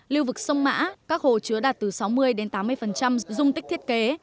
lưu vực sông mã các hồ chứa đạt từ sáu mươi đến tám mươi dung tích thiết kế